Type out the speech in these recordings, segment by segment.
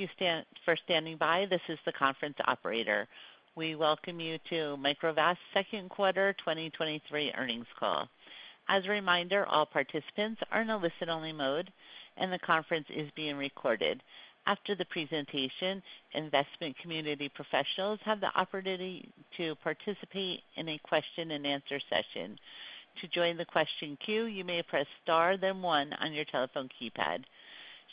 Thank you for standing by. This is the conference operator. We welcome you to Microvast's Second Quarter 2023 earnings call. As a reminder, all participants are in a listen-only mode, and the conference is being recorded. After the presentation, investment community professionals have the opportunity to participate in a question-and-answer session. To join the question queue, you may press Star, then one on your telephone keypad.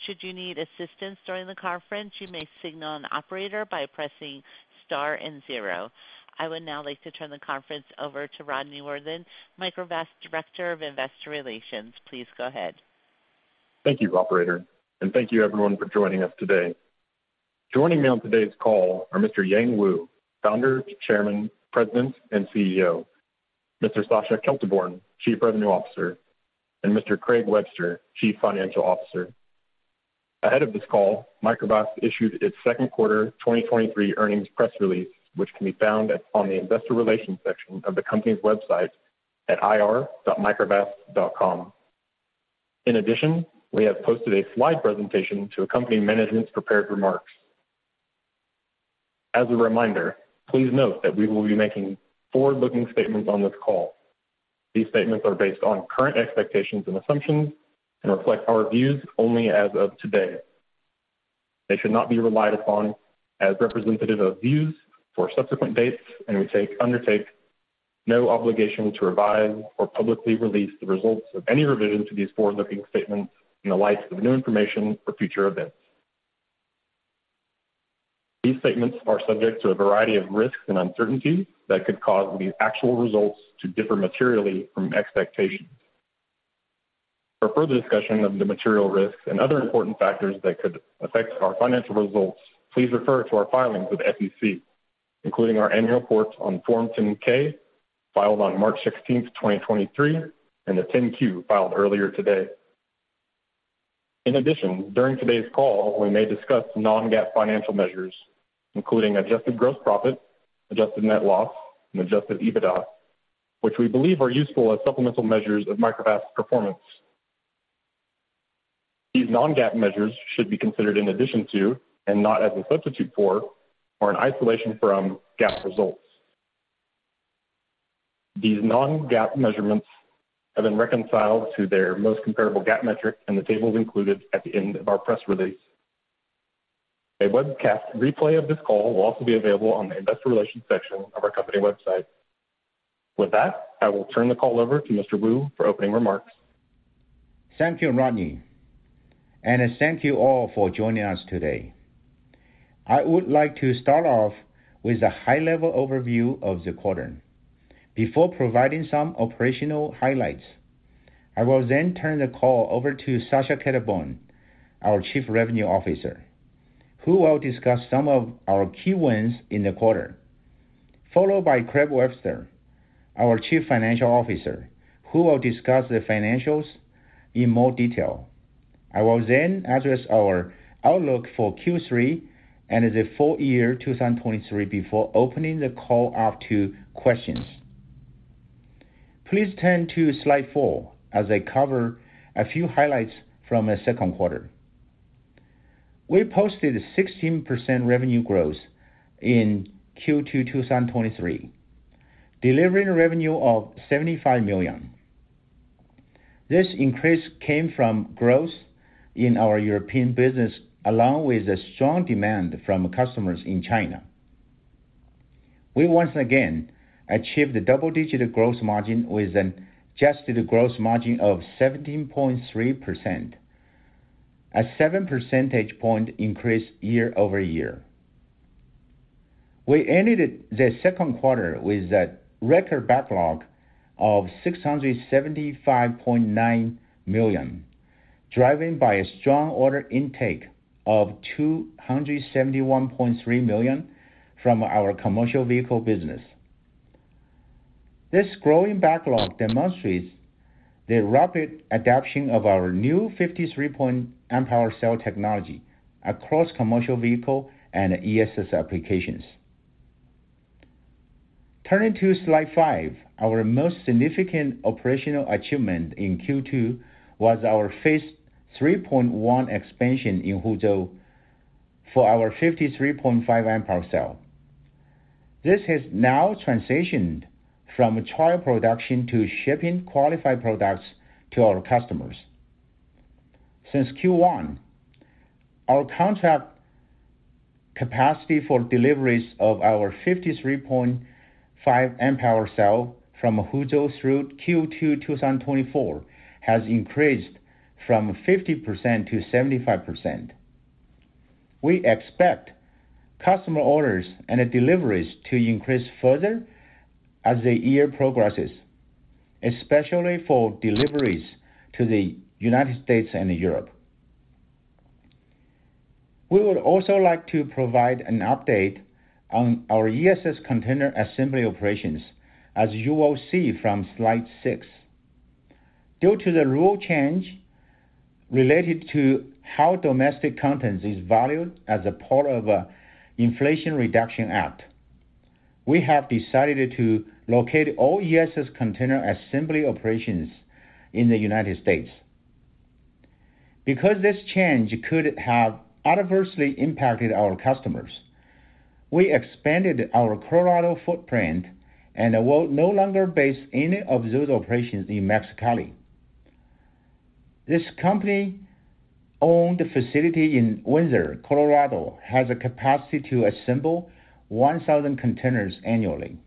Should you need assistance during the conference, you may signal an operator by pressing Star and zero. I would now like to turn the conference over to Rodney Worthen, Microvast Director of Investor Relations. Please go ahead. Thank you, Operator, and thank you everyone for joining us today. Joining me on today's call are Mr. Yang Wu, Founder, Chairman, President, and CEO, Mr. Sascha Kelterborn, Chief Revenue Officer, and Mr. Craig Webster, Chief Financial Officer. Ahead of this call, Microvast issued its second quarter 2023 earnings press release, which can be found on the investor relations section of the company's website at ir.microvast.com. In addition, we have posted a slide presentation to accompany management's prepared remarks. As a reminder, please note that we will be making forward-looking statements on this call. These statements are based on current expectations and assumptions and reflect our views only as of today. They should not be relied upon as representative of views for subsequent dates, and we undertake no obligation to revise or publicly release the results of any revision to these forward-looking statements in the light of new information or future events. These statements are subject to a variety of risks and uncertainties that could cause the actual results to differ materially from expectations. For further discussion of the material risks and other important factors that could affect our financial results, please refer to our filings with the SEC, including our annual report on Form 10-K, filed on March 16, 2023, and the 10-Q, filed earlier today. During today's call, we may discuss non-GAAP financial measures, including adjusted gross profit, adjusted net loss, and Adjusted EBITDA, which we believe are useful as supplemental measures of Microvast's performance. These non-GAAP measures should be considered in addition to, and not as a substitute for, or in isolation from GAAP results. These non-GAAP measurements have been reconciled to their most comparable GAAP metric in the tables included at the end of our press release. A webcast replay of this call will also be available on the investor relations section of our company website. With that, I will turn the call over to Mr. Wu for opening remarks. Thank you, Rodney, and thank you all for joining us today. I would like to start off with a high-level overview of the quarter before providing some operational highlights. I will then turn the call over to Sasha Keltyborn, our Chief Revenue Officer, who will discuss some of our key wins in the quarter, followed by Craig Webster, our Chief Financial Officer, who will discuss the financials in more detail. I will then address our outlook for Q3 and the full year 2023, before opening the call up to questions. Please turn to slide 4 as I cover a few highlights from our second quarter. We posted 16% revenue growth in Q2 2023, delivering revenue of $75 million. This increase came from growth in our European business, along with the strong demand from customers in China. We once again achieved a double-digit gross margin with an adjusted gross margin of 17.3%, a seven percentage point increase year-over-year. We ended the second quarter with a record backlog of $675.9 million, driven by a strong order intake of $271.3 million from our commercial vehicle business. This growing backlog demonstrates the rapid adoption of our new 53Ah cell technology across commercial vehicle and ESS applications. Turning to slide five, our most significant operational achievement in Q2 was our Phase 3.1 expansion in Huzhou for our 53.5Ah cell. This has now transitioned from trial production to shipping qualified products to our customers. Since Q1, our contract capacity for deliveries of our 53.5Ah cell from Huzhou through Q2 2024 has increased from 50% to 75%. We expect customer orders and deliveries to increase further as the year progresses, especially for deliveries to the United States and Europe. We would also like to provide an update on our ESS container assembly operations, as you will see from slide six. Due to the rule change related to how domestic content is valued as a part of the Inflation Reduction Act, we have decided to locate all ESS container assembly operations in the United States. Because this change could have adversely impacted our customers, we expanded our Colorado footprint and will no longer base any of those operations in Mexicali. This company-owned facility in Windsor, Colorado, has a capacity to assemble 1,000 containers annually.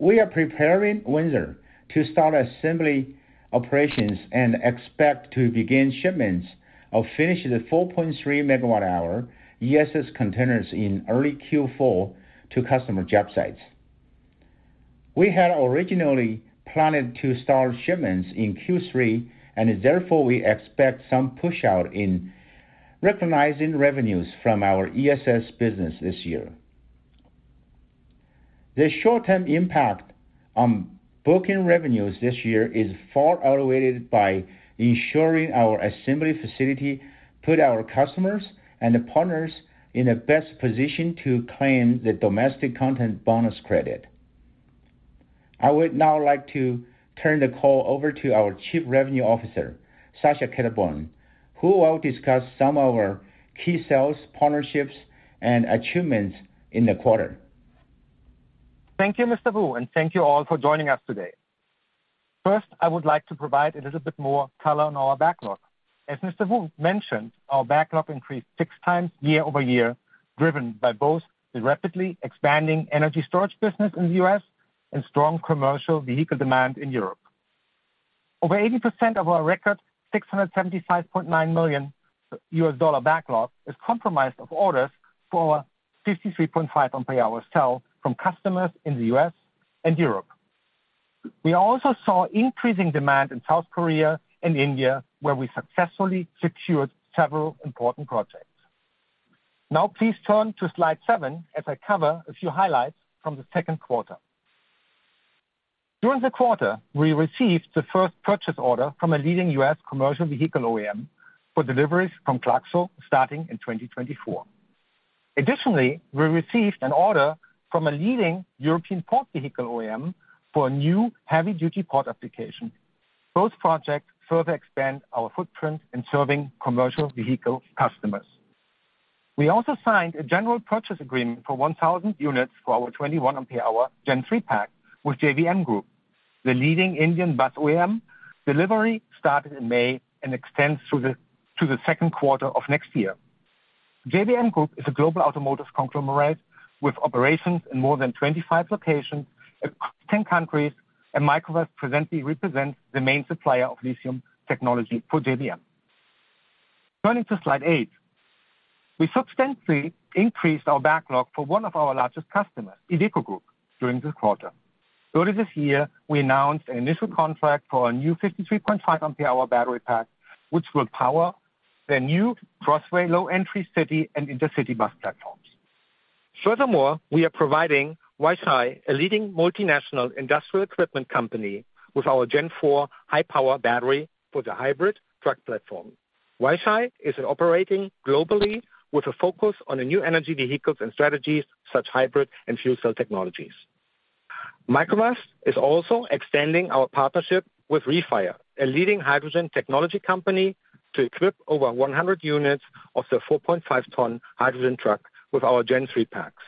We are preparing Windsor to start assembly operations and expect to begin shipments of finished 4.3MWh ESS containers in early Q4 to customer job sites. We had originally planned to start shipments in Q3, and therefore, we expect some push out in recognizing revenues from our ESS business this year. The short-term impact on booking revenues this year is far outweighed by ensuring our assembly facility put our customers and partners in the best position to claim the domestic content bonus credit. I would now like to turn the call over to our Chief Revenue Officer, Sascha Kelterborn, who will discuss some of our key sales, partnerships, and achievements in the quarter. Thank you, Mr. Wu, and thank you all for joining us today. First, I would like to provide a little bit more color on our backlog. As Mr. Wu mentioned, our backlog increased 6 times year-over-year, driven by both the rapidly expanding energy storage business in the U.S. and strong commercial vehicle demand in Europe. Over 80% of our record, $675.9 million backlog, is compromised of orders for our 53.5 amp-hour cell from customers in the U.S. and Europe. We also saw increasing demand in South Korea and India, where we successfully secured several important projects. Now, please turn to slide seven as I cover a few highlights from the second quarter. During the quarter, we received the first purchase order from a leading U.S. commercial vehicle OEM for deliveries from Clarksville starting in 2024. Additionally, we received an order from a leading European port vehicle OEM for a new heavy-duty port application. Both projects further expand our footprint in serving commercial vehicle customers. We also signed a general purchase agreement for 1,000 units for our 21 amp-hour Gen 3 pack with JBM Group, the leading Indian bus OEM. Delivery started in May and extends to the second quarter of next year. JBM Group is a global automotive conglomerate with operations in more than 25 locations across 10 countries, and Microvast presently represents the main supplier of lithium technology for JBM. Turning to slide eight. We substantially increased our backlog for one of our largest customers, Iveco Group, during this quarter. Earlier this year, we announced an initial contract for a new 53.5 amp-hour battery pack, which will power their new Crossway low-entry city and intercity bus platforms. Furthermore, we are providing Weichai, a leading multinational industrial equipment company, with our Gen 4 high-power battery for the hybrid truck platform. Weichai is operating globally with a focus on the new energy vehicles and strategies such as hybrid and fuel cell technologies. Microvast is also extending our partnership with REFIRE, a leading hydrogen technology company, to equip over 100 units of the 4.5 tons hydrogen truck with our Gen 3 packs.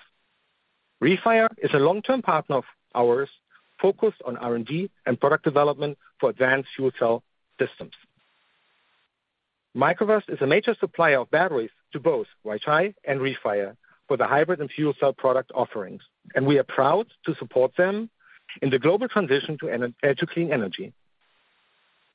REFIRE is a long-term partner of ours, focused on R&D and product development for advanced fuel cell systems. Microvast is a major supplier of batteries to both Weichai and REFIRE for the hybrid and fuel cell product offerings, and we are proud to support them in the global transition to clean energy.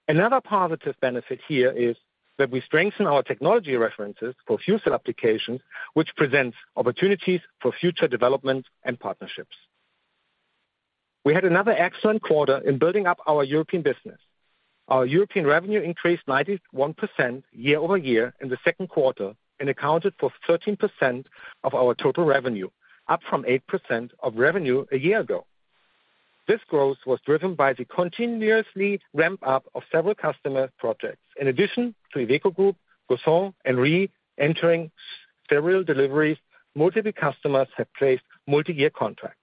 Another positive benefit here is that we strengthen our technology references for fuel cell applications, which presents opportunities for future development and partnerships. We had another excellent quarter in building up our European business. Our European revenue increased 91% year-over-year in the second quarter and accounted for 13% of our total revenue, up from 8% of revenue a year ago. This growth was driven by the continuously ramp up of several customer projects. In addition to Iveco Group, GAUSSIN, and REFIRE several deliveries, multiple customers have placed multi-year contracts.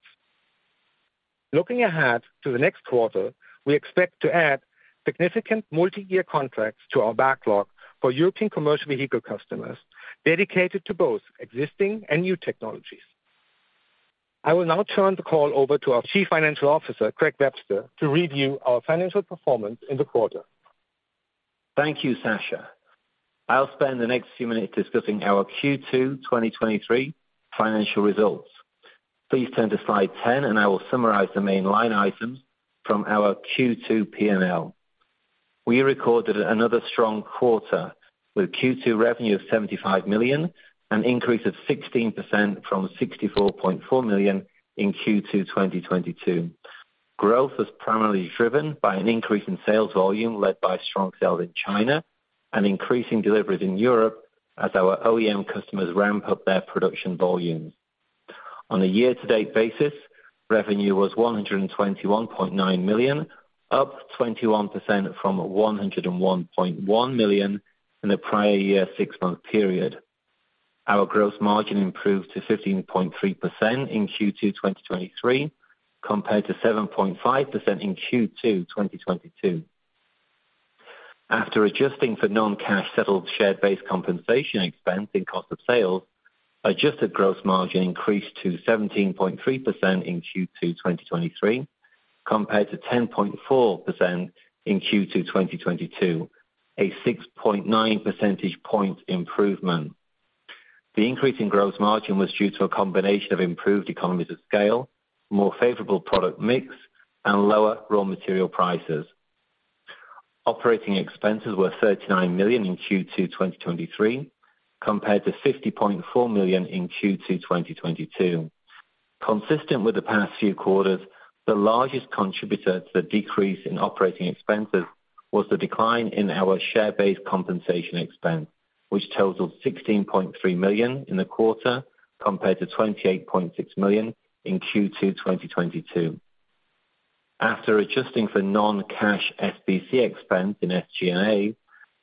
Looking ahead to the next quarter, we expect to add significant multi-year contracts to our backlog for European commercial vehicle customers, dedicated to both existing and new technologies. I will now turn the call over to our Chief Financial Officer, Craig Webster, to review our financial performance in the quarter. Thank you, Sascha. I'll spend the next few minutes discussing our Q2 2023 financial results. Please turn to slide 10. I will summarize the main line items from our Q2 P&L. We recorded another strong quarter, with Q2 revenue of $75 million, an increase of 16% from $64.4 million in Q2 2022. Growth was primarily driven by an increase in sales volume, led by strong sales in China and increasing deliveries in Europe as our OEM customers ramp up their production volumes. On a year-to-date basis, revenue was $121.9 million, up 21% from $101.1 million in the prior year six-month period. Our gross margin improved to 15.3% in Q2 2023, compared to 7.5% in Q2 2022. After adjusting for non-cash settled share-based compensation expense and cost of sales, adjusted gross margin increased to 17.3% in Q2 2023, compared to 10.4% in Q2 2022, a 6.9 percentage point improvement. The increase in gross margin was due to a combination of improved economies of scale, more favorable product mix, and lower raw material prices. Operating expenses were $39 million in Q2 2023, compared to $50.4 million in Q2 2022. Consistent with the past few quarters, the largest contributor to the decrease in operating expenses was the decline in our share-based compensation expense, which totaled $16.3 million in the quarter, compared to $28.6 million in Q2 2022. After adjusting for non-cash SBC expense in SG&A,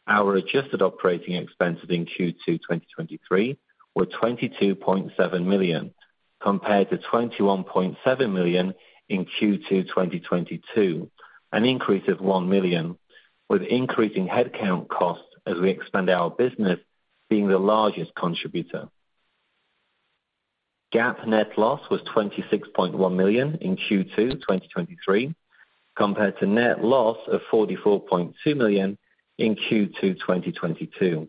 our adjusted operating expenses in Q2 2023 were $22.7 million, compared to $21.7 million in Q2 2022, an increase of $1 million, with increasing headcount costs as we expand our business being the largest contributor. GAAP net loss was $26.1 million in Q2 2023, compared to net loss of $44.2 million in Q2 2022.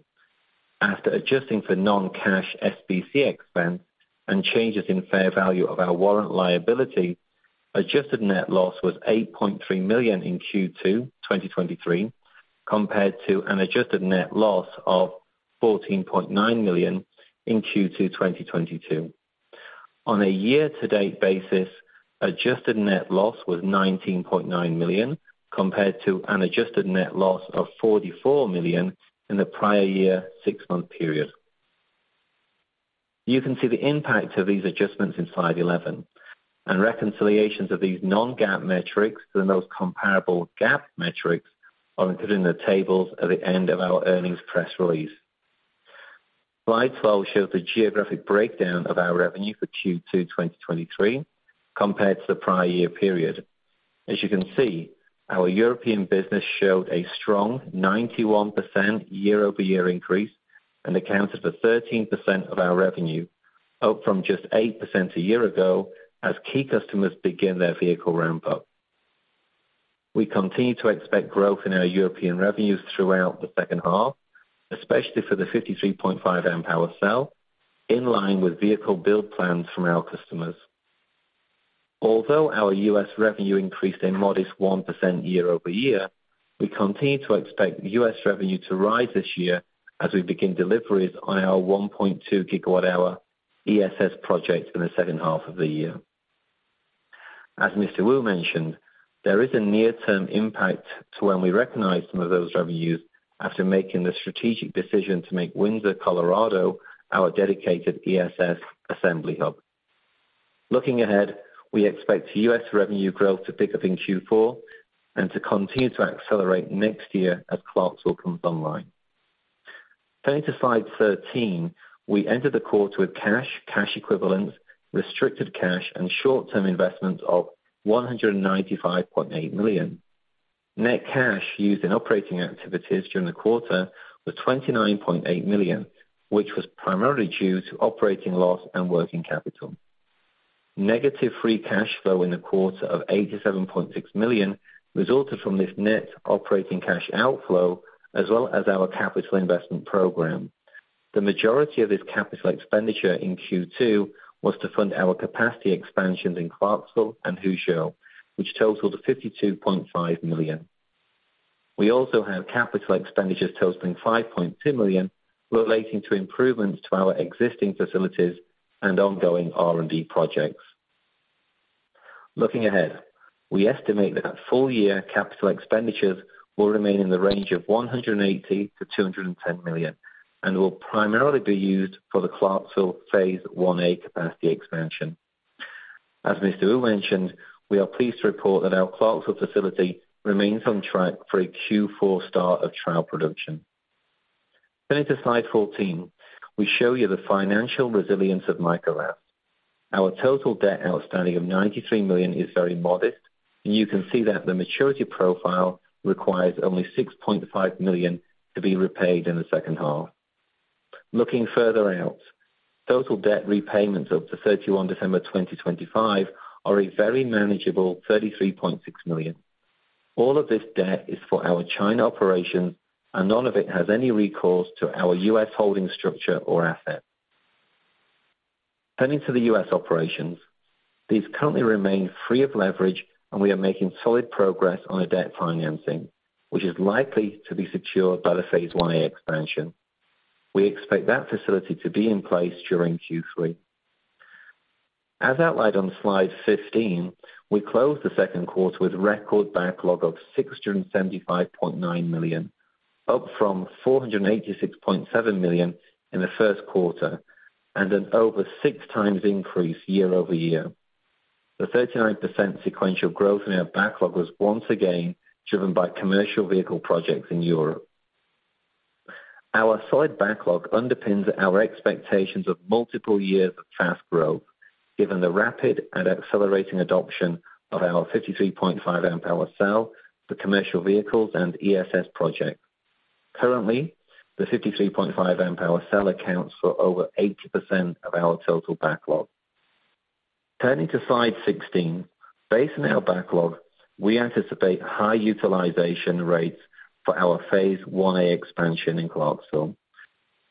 After adjusting for non-cash SBC expense and changes in fair value of our warrant liability, adjusted net loss was $8.3 million in Q2 2023, compared to an adjusted net loss of $14.9 million in Q2 2022. On a year-to-date basis, adjusted net loss was $19.9 million, compared to an adjusted net loss of $44 million in the prior year six-month period. You can see the impact of these adjustments in slide 11. Reconciliations of these non-GAAP metrics and those comparable GAAP metrics are included in the tables at the end of our earnings press release. Slide 12 shows the geographic breakdown of our revenue for Q2 2023 compared to the prior year period. As you can see, our European business showed a strong 91% year-over-year increase and accounted for 13% of our revenue, up from just 8% a year ago, as key customers begin their vehicle ramp-up. We continue to expect growth in our European revenues throughout the second half, especially for the 53.5Ah cell, in line with vehicle build plans from our customers. Although our U.S. revenue increased a modest 1% year-over-year, we continue to expect U.S. revenue to rise this year as we begin deliveries on our 1.2 gigawatt hour ESS project in the second half of the year. As Mr. Wu mentioned, there is a near-term impact to when we recognize some of those revenues after making the strategic decision to make Windsor, Colorado, our dedicated ESS assembly hub. Looking ahead, we expect U.S. revenue growth to pick up in Q4 and to continue to accelerate next year as Clarksville comes online. Turning to slide 13, we entered the quarter with cash, cash equivalents, restricted cash, and short-term investments of $195.8 million. Net cash used in operating activities during the quarter was $29.8 million, which was primarily due to operating loss and working capital. Negative free cash flow in the quarter of $87.6 million resulted from this net operating cash outflow, as well as our capital investment program. The majority of this capital expenditure in Q2 was to fund our capacity expansions in Clarksville and Huzhou, which totaled $52.5 million. We also have capital expenditures totaling $5.2 million, relating to improvements to our existing facilities and ongoing R&D projects. Looking ahead, we estimate that full-year capital expenditures will remain in the range of $180 million-$210 million and will primarily be used for the Clarksville Phase 1A capacity expansion. As Mr. Wu mentioned, we are pleased to report that our Clarksville facility remains on track for a Q4 start of trial production. Turning to slide 14, we show you the financial resilience of Microvast. Our total debt outstanding of $93 million is very modest, and you can see that the maturity profile requires only $6.5 million to be repaid in the second half. Looking further out, total debt repayments up to 31 December 2025 are a very manageable $33.6 million. All of this debt is for our China operations, and none of it has any recourse to our U.S. holding structure or assets. Turning to the U.S. operations, these currently remain free of leverage, and we are making solid progress on the debt financing, which is likely to be secured by the Phase 1A expansion. We expect that facility to be in place during Q3. As outlined on slide 15, we closed the second quarter with record backlog of $675.9 million.... up from $486.7 million in the first quarter, and an over six times increase year-over-year. The 39% sequential growth in our backlog was once again driven by commercial vehicle projects in Europe. Our solid backlog underpins our expectations of multiple years of fast growth, given the rapid and accelerating adoption of our 53.5Ah cell for commercial vehicles and ESS projects. Currently, the 53.5Ah cell accounts for over 80% of our total backlog. Turning to Slide 16, based on our backlog, we anticipate high utilization rates for our Phase 1A expansion in Clarksville.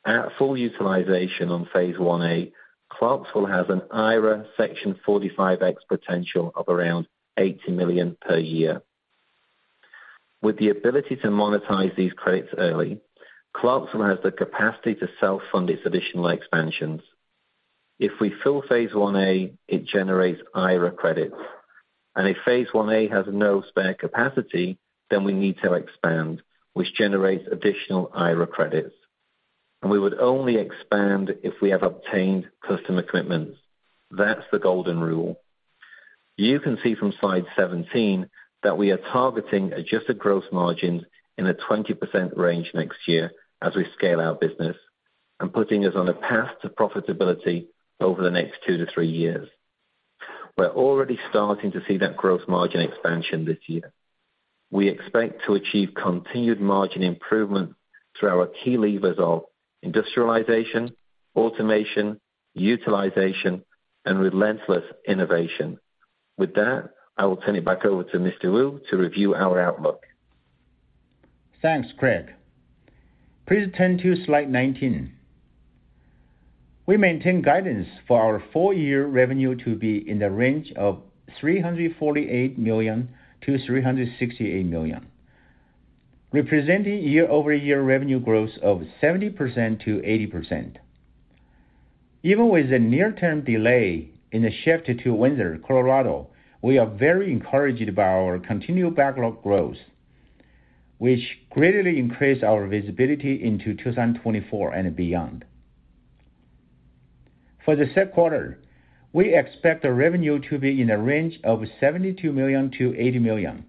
At full utilization on Phase 1A, Clarksville has an IRA Section 45X potential of around $80 million per year. With the ability to monetize these credits early, Clarksville has the capacity to self-fund its additional expansions. If we fill Phase 1A, it generates IRA credits. If Phase 1A has no spare capacity, we need to expand, which generates additional IRA credits. We would only expand if we have obtained customer commitments. That's the golden rule. You can see from Slide 17 that we are targeting adjusted gross margins in a 20% range next year as we scale our business and putting us on a path to profitability over the next 2-3 years. We're already starting to see that gross margin expansion this year. We expect to achieve continued margin improvement through our key levers of industrialization, automation, utilization, and relentless innovation. With that, I will turn it back over to Mr. Wu to review our outlook. Thanks, Craig. Please turn to Slide 19. We maintain guidance for our full year revenue to be in the range of $348 million-$368 million, representing year-over-year revenue growth of 70%-80%. Even with a near-term delay in the shift to Windsor, Colorado, we are very encouraged by our continued backlog growth, which greatly increased our visibility into 2024 and beyond. For the third quarter, we expect the revenue to be in a range of $72 million-$80 million,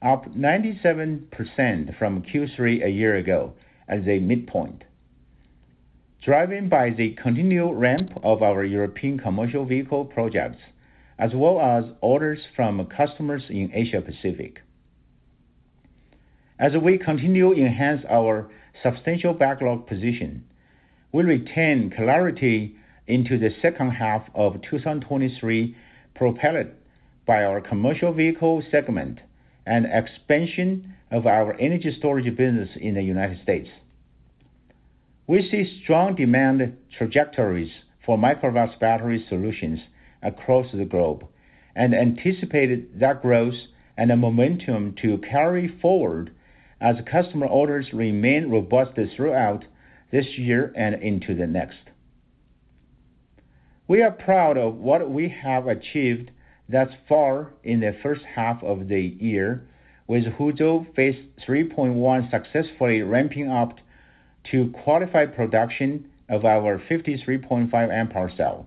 up 97% from Q3 a year ago at the midpoint, driven by the continued ramp of our European commercial vehicle projects as well as orders from customers in Asia Pacific. As we continue to enhance our substantial backlog position, we retain clarity into the second half of 2023, propelled by our commercial vehicle segment and expansion of our energy storage business in the United States. We see strong demand trajectories for Microvast battery solutions across the globe and anticipated that growth and the momentum to carry forward as customer orders remain robust throughout this year and into the next. We are proud of what we have achieved thus far in the first half of the year, with Huzhou Phase 3.1 successfully ramping up to qualified production of our 53.5Ah cell.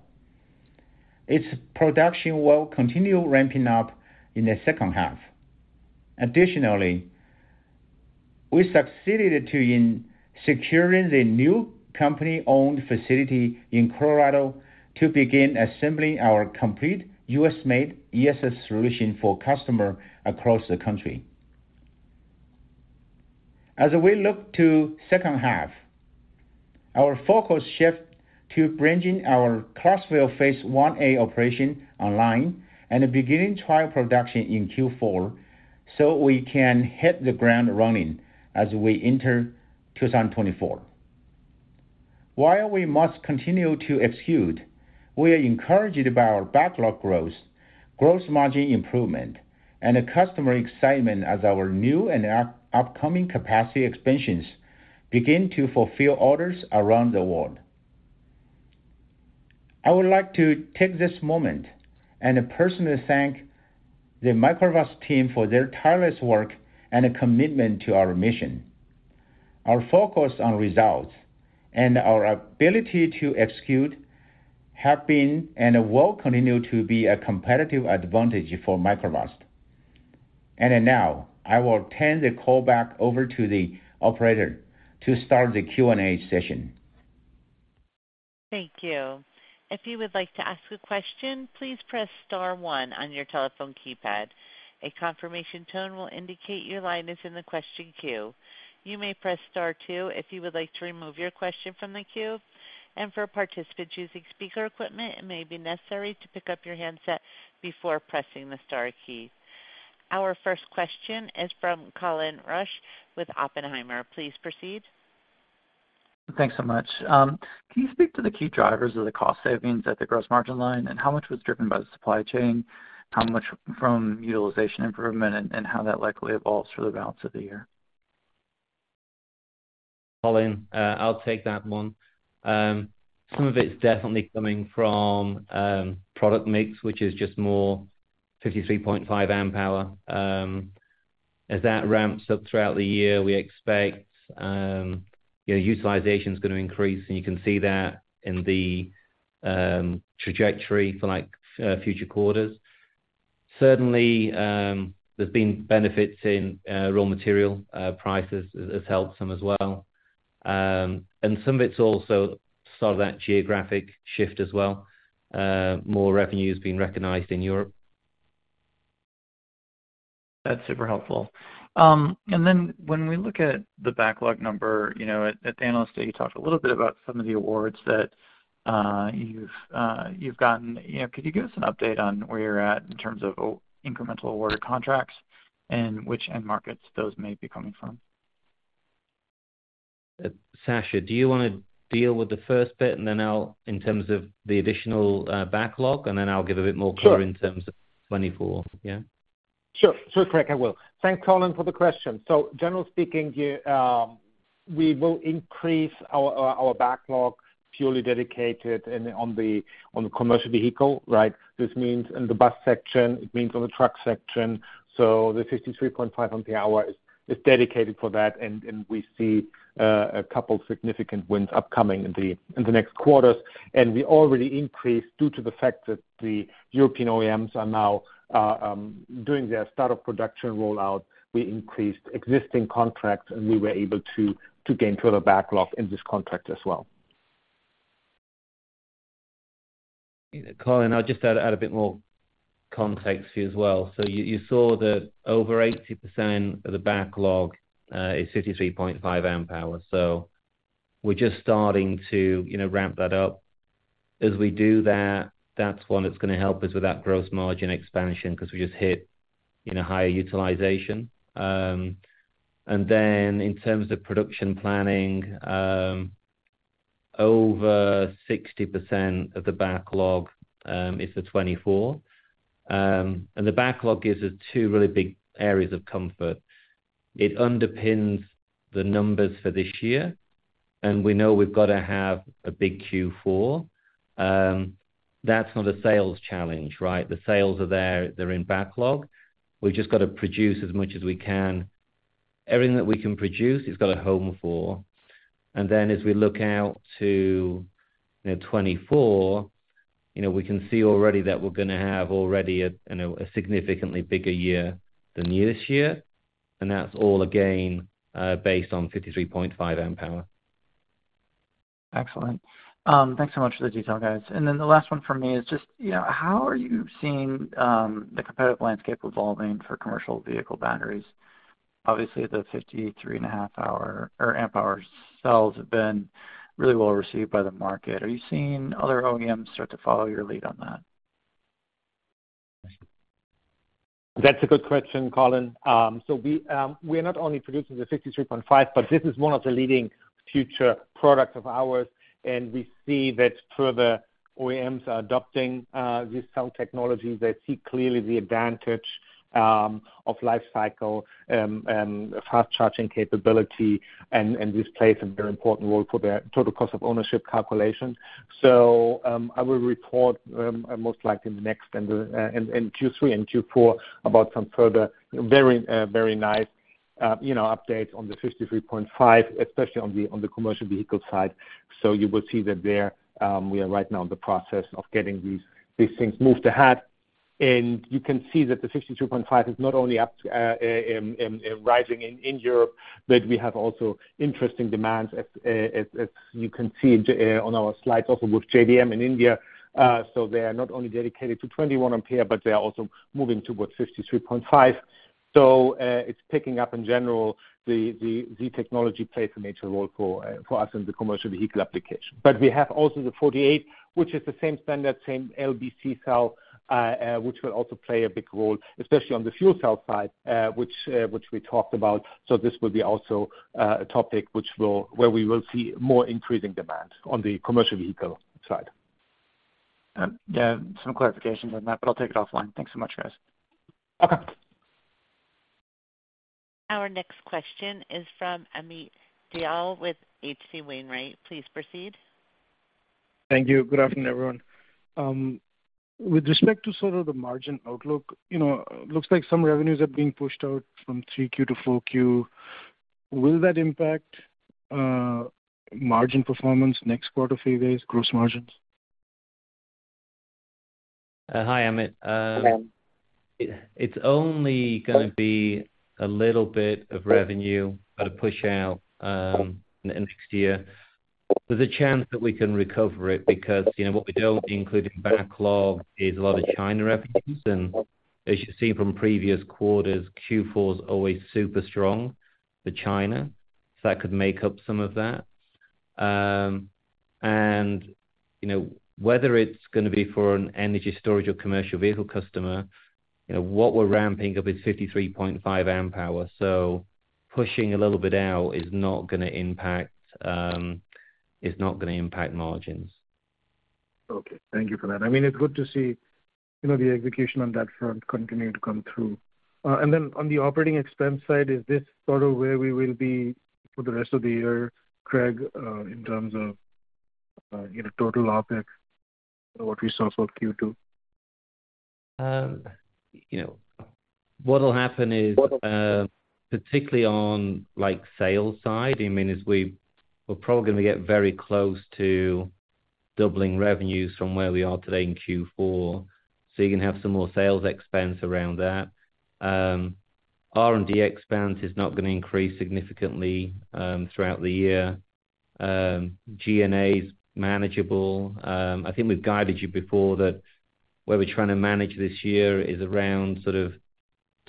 Its production will continue ramping up in the second half. Additionally, we succeeded in securing the new company-owned facility in Colorado to begin assembling our complete U.S.-made ESS solution for customers across the country. As we look to second half, our focus shifts to bringing our Clarksville Phase 1A operation online and beginning trial production in Q4, so we can hit the ground running as we enter 2024. While we must continue to execute, we are encouraged by our backlog growth, gross margin improvement, and the customer excitement as our new and up-upcoming capacity expansions begin to fulfill orders around the world. I would like to take this moment and personally thank the Microvast team for their tireless work and commitment to our mission. Our focus on results and our ability to execute have been, and will continue to be, a competitive advantage for Microvast. Now, I will turn the call back over to the operator to start the Q&A session. Thank you. If you would like to ask a question, please press star one on your telephone keypad. A confirmation tone will indicate your line is in the question queue. You may press star two if you would like to remove your question from the queue. For participants using speaker equipment, it may be necessary to pick up your handset before pressing the star key. Our first question is from Colin Rusch with Oppenheimer. Please proceed. Thanks so much. Can you speak to the key drivers of the cost savings at the gross margin line, and how much was driven by the supply chain, how much from utilization improvement, and, and how that likely evolves for the balance of the year? Colin, I'll take that one. Some of it's definitely coming from product mix, which is just more 53.5 amp hour. As that ramps up throughout the year, we expect, you know, utilization is gonna increase, and you can see that in the trajectory for, like, future quarters. Certainly, there's been benefits in raw material prices has, has helped some as well. Some of it's also sort of that geographic shift as well. More revenue is being recognized in Europe. That's super helpful. Then when we look at the backlog number, you know, at, at the analyst day, you talked a little bit about some of the awards that you've gotten. You know, could you give us an update on where you're at in terms of incremental awarded contracts and which end markets those may be coming from? Sascha, do you wanna deal with the first bit, and then I'll in terms of the additional backlog, and then I'll give a bit more color. Sure. in terms of 2024, yeah? Sure. Sure, Greg, I will. Thanks, Colin, for the question. Generally speaking, yeah, we will increase our backlog purely dedicated and on the commercial vehicle, right? This means in the bus section, it means on the truck section. The 53.5 amp hour is, is dedicated for that, and, and we see a couple of significant wins upcoming in the next quarters. We already increased due to the fact that the European OEMs are now doing their start of production rollout. We increased existing contracts, and we were able to, to gain further backlog in this contract as well. Colin, I'll just add, add a bit more context here as well. You, you saw that over 80% of the backlog is 53.5 amp-hour. We're just starting to, you know, ramp that up. As we do that, that's one that's gonna help us with that gross margin expansion because we just hit, you know, higher utilization. Then in terms of production planning, over 60% of the backlog is the 24. The backlog gives us two really big areas of comfort. It underpins the numbers for this year, and we know we've got to have a big Q4. That's not a sales challenge, right? The sales are there, they're in backlog. We've just got to produce as much as we can. Everything that we can produce, it's got a home for. Then as we look out to, you know, 2024, you know, we can see already that we're gonna have already a, you know, a significantly bigger year than this year, and that's all again, based on 53.5 amp hour. Excellent. Thanks so much for the detail, guys. Then the last one for me is just, you know, how are you seeing the competitive landscape evolving for commercial vehicle batteries? Obviously, the 53.5Ah cells have been really well received by the market. Are you seeing other OEMs start to follow your lead on that? That's a good question, Colin. We're not only producing the 53.5, but this is one of the leading future products of ours, and we see that further OEMs are adopting this cell technology. They see clearly the advantage of life cycle and fast charging capability, and this plays a very important role for their total cost of ownership calculations. I will report most likely in the next and in Q3 and Q4 about some further very nice, you know, updates on the 53.5, especially on the commercial vehicle side. You will see that there, we are right now in the process of getting these things moved ahead. You can see that the 53.5 is not only up, rising in Europe, but we have also interesting demands as you can see on our slides, also with JBM in India. They are not only dedicated to 21 ampere, but they are also moving towards 53.5. It's picking up in general, the technology plays a major role for us in the commercial vehicle application. We have also the 48, which is the same standard, same LBC cell, which will also play a big role, especially on the fuel cell side, which we talked about. This will be also a topic where we will see more increasing demand on the commercial vehicle side. Yeah, some clarification on that, but I'll take it offline. Thanks so much, guys. Okay. Our next question is from Amit Dalal with H.C. Wainwright. Please proceed. Thank you. Good afternoon, everyone. With respect to sort of the margin outlook, you know, looks like some revenues are being pushed out from 3Q to 4Q. Will that impact margin performance next quarter, three days, gross margins? Hi, Amit. Hello. It's only gonna be a little bit of revenue at a push out in the next year. There's a chance that we can recover it because, you know, what we don't include in backlog is a lot of China revenues, and as you've seen from previous quarters, Q4 is always super strong for China, that could make up some of that. You know, whether it's gonna be for an energy storage or commercial vehicle customer, you know, what we're ramping up is 53.5 amp hour. Pushing a little bit out is not gonna impact, is not gonna impact margins. Okay, thank you for that. I mean, it's good to see, you know, the execution on that front continuing to come through. On the operating expense side, is this sort of where we will be for the rest of the year, Craig, in terms of, you know, total OpEx, what we saw for Q2? you know, what will happen is, particularly on, like, sales side, I mean, is we're probably gonna get very close to doubling revenues from where we are today in Q4. You're gonna have some more sales expense around that. R&D expense is not gonna increase significantly throughout the year. G&A is manageable. I think we've guided you before that where we're trying to manage this year is around sort of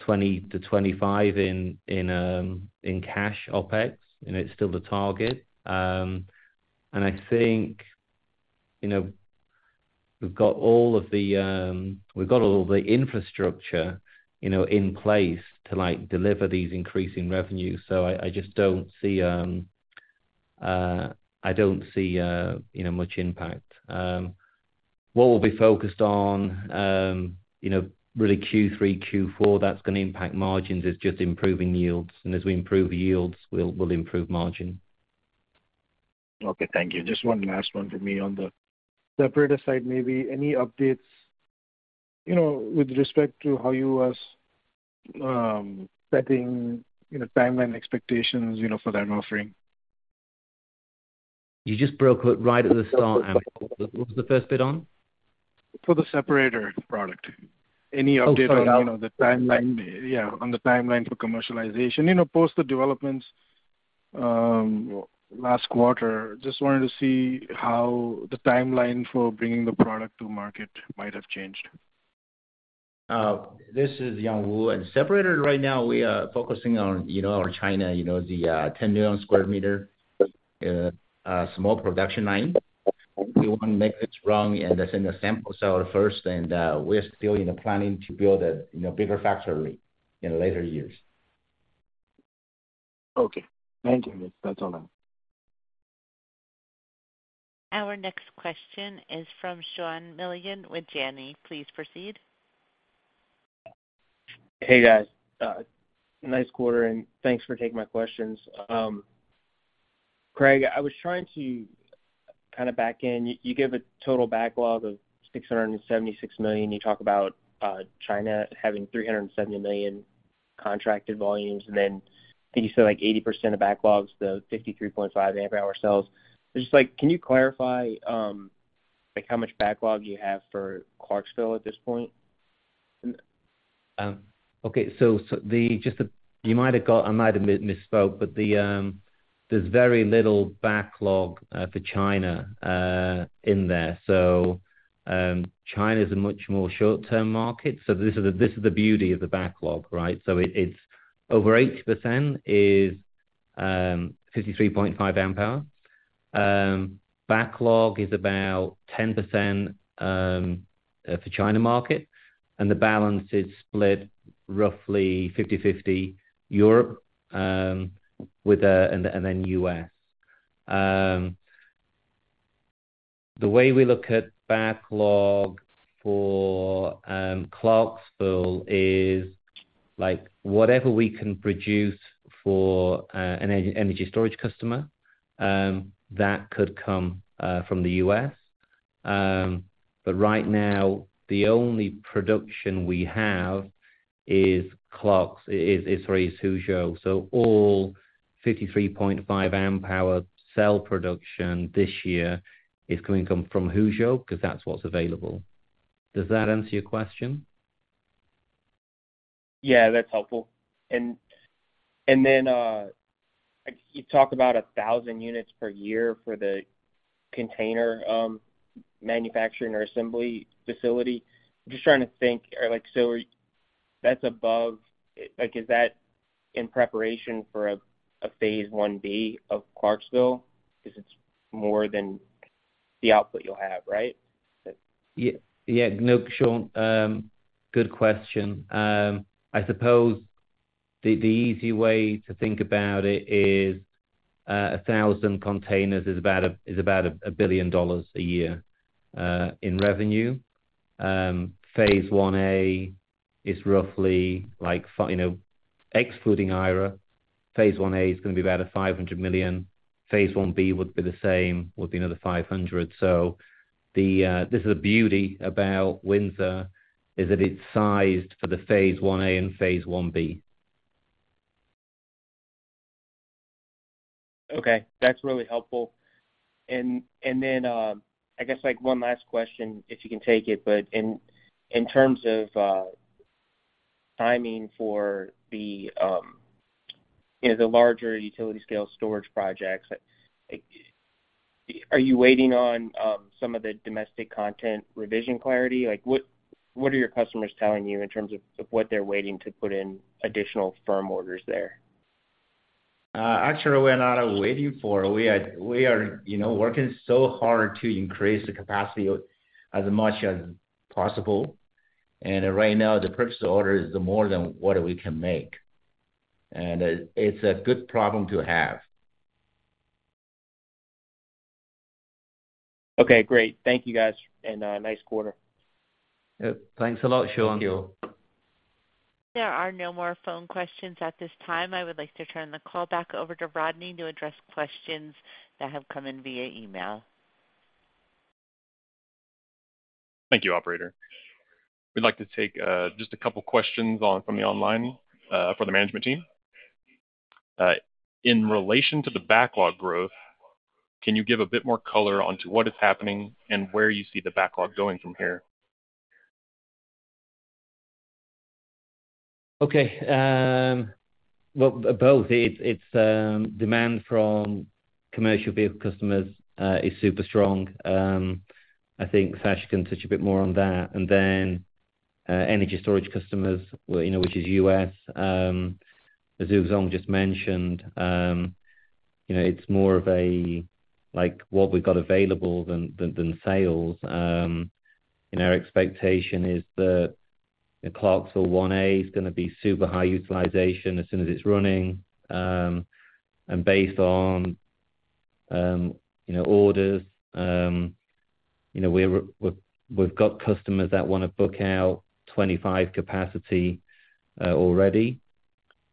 $20-$25 in cash OpEx, and it's still the target. I think, you know, we've got all of the, we've got all of the infrastructure, you know, in place to, like, deliver these increasing revenues, so I, I just don't see, I don't see, you know, much impact. What we'll be focused on, you know, really Q3, Q4, that's gonna impact margins, is just improving yields. As we improve yields, we'll, we'll improve margin. Okay, thank you. Just one last one for me. On the separator side, maybe any updates, you know, with respect to how you was setting, you know, timeline expectations, you know, for that offering? You just broke it right at the start, Amit. What was the first bit on? For the separator product. Any update on, you know, the timeline? Oh, sorry. Yeah, on the timeline for commercialization. You know, post the developments, last quarter. Just wanted to see how the timeline for bringing the product to market might have changed. This is Yang Wu. In separator right now, we are focusing on, you know, our China, you know, the 10 million square meter small production line. We want to make it strong and then send a sample cell first, and we're still in the planning to build a, you know, bigger factory in later years. Okay. Thank you. That's all now. Our next question is from Sean Milligan with Janney. Please proceed. Hey, guys. Nice quarter, and thanks for taking my questions. Craig, I was trying to kind of back in. You gave a total backlog of $676 million. You talk about China having $370 million contracted volumes, and then I think you said, like, 80% of backlogs, the 53.5 amp-hour cells. Just like, can you clarify, like, how much backlog you have for Clarksville at this point? Okay. I might have misspoke, but there's very little backlog for China in there. China is a much more short-term market, so this is the, this is the beauty of the backlog, right? It's over 80% is 53.5 amp-hour. Backlog is about 10% for China market, and the balance is split roughly 50/50, Europe with the, then US. The way we look at backlog for Clarksville is, like, whatever we can produce for an energy storage customer that could come from the US. Right now, the only production we have is Huzhou. All 53.5Ah cell production this year is going to come from Huzhou, because that's what's available. Does that answer your question? Yeah, that's helpful. Then you talk about 1,000 units per year for the container manufacturing or assembly facility. I'm just trying to think, that's above... Is that in preparation for a Phase 1B of Clarksville? Because it's more than the output you'll have, right? Yeah. Yeah, look, Sean, good question. I suppose the easy way to think about it is 1,000 containers is about a $1 billion a year in revenue. Phase 1A is roughly like, you know, excluding IRA, Phase 1A is going to be about $500 million. Phase 1B would be the same with another $500 million. The beauty about Windsor is that it's sized for the Phase 1A and Phase 1B. Okay, that's really helpful. Then, I guess, like, one last question, if you can take it. In, in terms of, timing for the, you know, the larger utility scale storage projects, are you waiting on, some of the domestic content revision clarity? Like, what, what are your customers telling you in terms of, of what they're waiting to put in additional firm orders there? Actually, we're not waiting for. We are, we are, you know, working so hard to increase the capacity as much as possible, and right now the purchase order is more than what we can make. It's a good problem to have. Okay, great. Thank you, guys, and nice quarter. Thanks a lot, Sean. Thank you. There are no more phone questions at this time. I would like to turn the call back over to Rodney to address questions that have come in via email. Thank you, operator. We'd like to take, just a couple questions from the online, for the management team. In relation to the backlog growth, can you give a bit more color onto what is happening and where you see the backlog going from here? Okay. Well, both. It's, it's demand from commercial vehicle customers is super strong. I think Sasha can touch a bit more on that, and then energy storage customers, well, you know, which is U.S. As Yang W just mentioned, you know, it's more of a like, what we've got available than, than, than sales. And our expectation is that the Clarksville Phase 1A is gonna be super high utilization as soon as it's running. And based on, you know, orders, you know, we're, we've, we've got customers that want to book out 25 capacity already.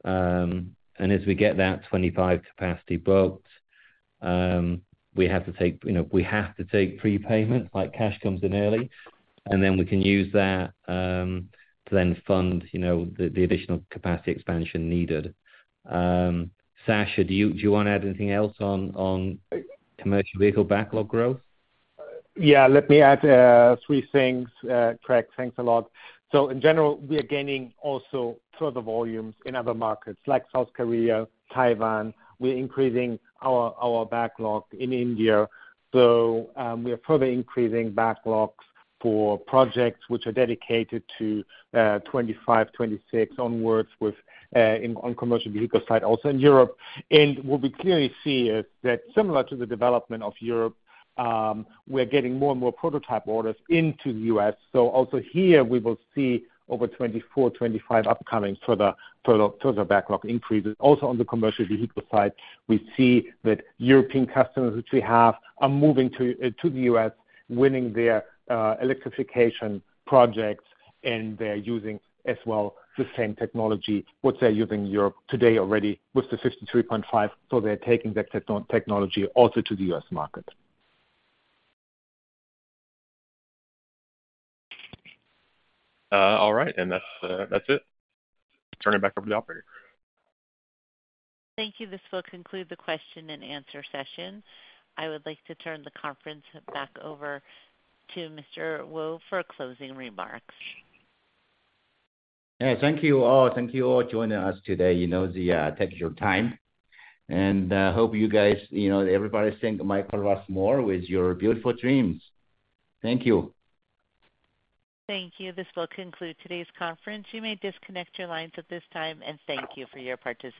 And as we get that 25 capacity booked, we have to take, you know, we have to take prepayment, like cash comes in early, and then we can use that to then fund, you know, the, the additional capacity expansion needed. Sasha, do you, do you want to add anything else on, on commercial vehicle backlog growth? Yeah, let me add three things. Craig, thanks a lot. In general, we are gaining also further volumes in other markets like South Korea, Taiwan. We're increasing our, our backlog in India. We are further increasing backlogs for projects which are dedicated to 2025, 2026 onwards with in on commercial vehicle side, also in Europe. And what we clearly see is that similar to the development of Europe, we're getting more and more prototype orders into the U.S. Also here, we will see over 2024, 2025 upcoming further, further, further backlog increases. Also, on the commercial vehicle side, we see that European customers, which we have, are moving to the U.S., winning their electrification projects, and they're using as well, the same technology, what they're using Europe today already with the 53.5. they're taking that technology also to the U.S. market. All right. That's, that's it. Turn it back over to the operator. Thank you. This will conclude the question and answer session. I would like to turn the conference back over to Mr. Wu for closing remarks. Hey, thank you all. Thank you all joining us today. You know, take your time and hope you guys, you know, everybody think Microvast more with your beautiful dreams. Thank you. Thank you. This will conclude today's conference. You may disconnect your lines at this time, and thank you for your participation.